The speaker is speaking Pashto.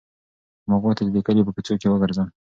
ما غوښتل چې د کلي په کوڅو کې وګرځم.